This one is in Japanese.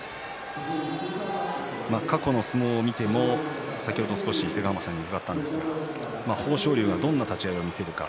過去の相撲を見ても先ほど少し伊勢ヶ濱さんに伺ったんですが豊昇龍がどんな立ち合いを見せるか。